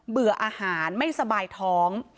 เบื่ออาหารไม่สบายท้อง